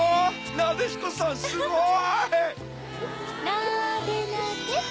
なでなで。